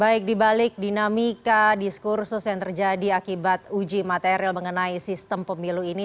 baik di balik dinamika diskursus yang terjadi akibat uji material mengenai sistem pemilu ini